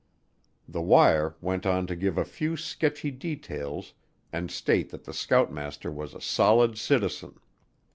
The wire went on to give a few sketchy details and state that the scoutmaster was a "solid citizen."